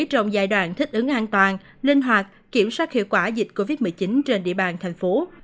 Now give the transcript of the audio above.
trong giai đoạn thích ứng an toàn linh hoạt kiểm soát hiệu quả dịch covid một mươi chín trên địa bàn thành phố